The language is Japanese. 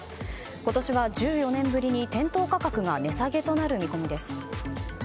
今年は１４年ぶりに店頭価格が値下げとなる見込みです。